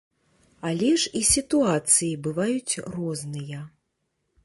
Але ж і сітуацыі бываюць розныя.